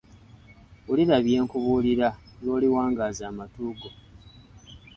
Wulira bye nkubuulira lw’oliwangaaza amatu go